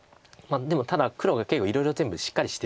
でもただ黒が結構いろいろ全部しっかりしてるので。